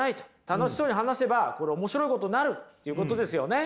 楽しそうに話せばこれ面白いことになるっていうことですよね。